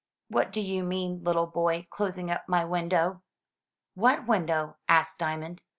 "What do you mean, little boy — closing up my window?'* "What window?*' asked Diamond.